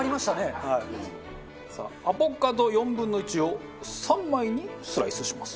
アボカド４分の１を３枚にスライスします。